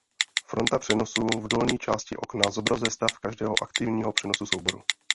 Fronta přenosů v dolní části okna zobrazuje stav každého aktivního přenosu souboru.